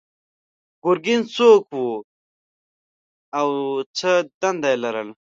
ګرګین څوک و او څه دنده یې لرله؟